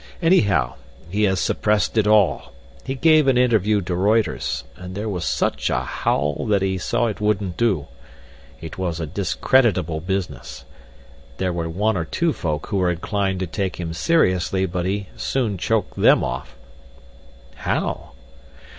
Anyhow, he has suppressed it all. He gave an interview to Reuter's, and there was such a howl that he saw it wouldn't do. It was a discreditable business. There were one or two folk who were inclined to take him seriously, but he soon choked them off." "How?"